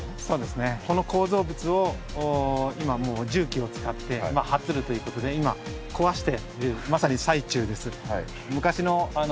この構造物をもう重機を使ってはつるという事で壊してるまさに最中です。